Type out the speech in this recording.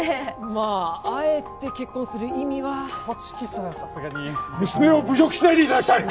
まああえて結婚する意味はホチキスはさすがに娘を侮辱しないでいただきたい！